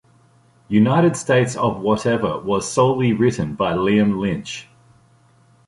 "United States of Whatever" was solely written by Liam Lynch.